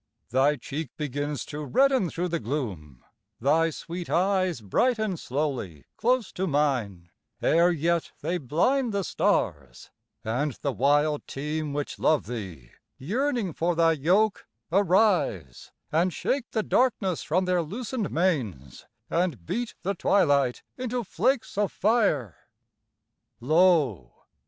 Thy cheek begins to redden thro' the gloom, Thy sweet eyes brighten slowly close to mine, Ere yet they blind the stars, and the wild team Which love thee, yearning for thy yoke, arise, And shake the darkness from their loosen'd manes, And beat the twilight into flakes of fire. Lo!